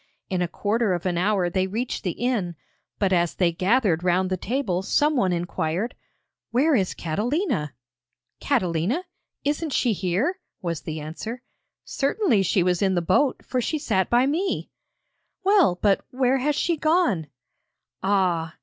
In a quarter of an hour they reached the inn, but as they gathered round the table, someone inquired: 'Where is Catalina?' 'Catalina? Isn't she here?' was the answer. 'Certainly she was in the boat, for she sat by me!' 'Well, but where has she gone?' Ah!